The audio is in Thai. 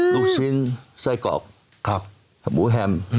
ลูกชิ้นไส้กรอกหมูแฮม